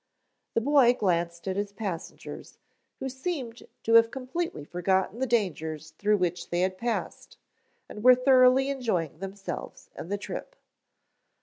The boy glanced at his passengers, who seemed to have completely forgotten the dangers through which they had passed, and were thoroughly enjoying themselves and the trip.